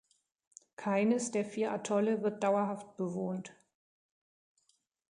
Keines der vier Atolle wird dauerhaft bewohnt.